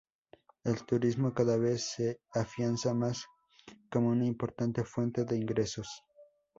El turismo cada vez se afianza más como una importante fuente de ingresos.